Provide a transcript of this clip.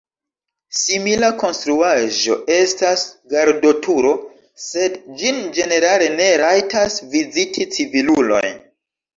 Simila konstruaĵo estas gardoturo, sed ĝin ĝenerale ne rajtas viziti civiluloj.